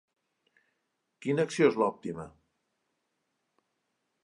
Quina acció és l'òptima?